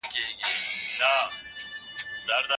هغه چي پر پردیو تکیه کوي ماته خوري.